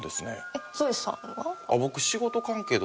えっぞえさんは？